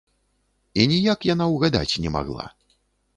І ніяк яна ўгадаць не магла.